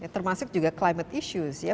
termasuk juga isu kemasa ya